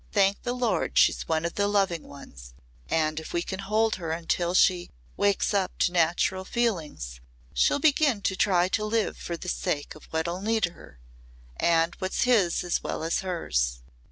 Thank the Lord she's one of the loving ones and if we can hold her until she wakes up to natural feelings she'll begin to try to live for the sake of what'll need her and what's his as well as hers."